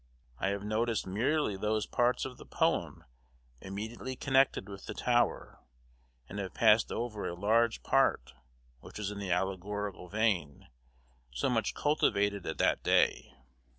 I have noticed merely those parts of the poem immediately connected with the tower, and have passed over a large part which was in the allegorical vein, so much cultivated at that day.